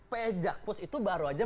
p jakpus itu baru aja